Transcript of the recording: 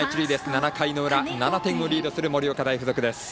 ７回の裏７点をリードする盛岡大付属。